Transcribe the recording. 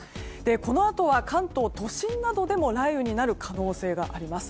このあとは関東、都心などでも雷雨になる可能性があります。